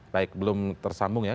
baik belum tersambung ya